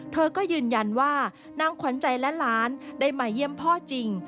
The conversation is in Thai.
เธอก็ยืนยันว่านางขวัญใจและหลานได้มาเยี่ยมพ่อจริง